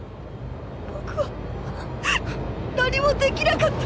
僕は何もできなかった。